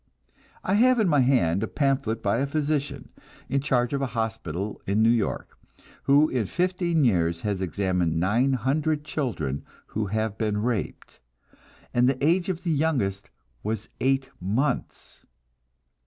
I have in my hand a pamphlet by a physician, in charge of a hospital in New York, who in fifteen years has examined nine hundred children who have been raped, and the age of the youngest was eight months!